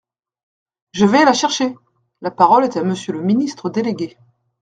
Je vais la chercher ! La parole est à Monsieur le ministre délégué.